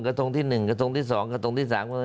กระทงที่๑กระทงที่๒กระทงที่๓